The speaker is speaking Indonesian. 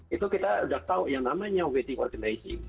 itu kita sudah tahu yang namanya wedding organizing